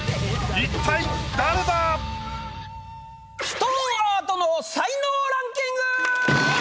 一体誰だ⁉ストーンアートの才能ランキング！